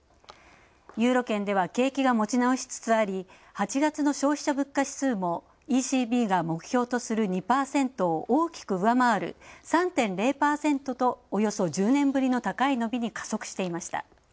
ユーロ圏では景気が持ち直しつつあり８月の消費者物価指数もＥＣＢが目標とする２％を大きく上回る３．０％とおよそ１０年ぶりの高い伸びに加速していました。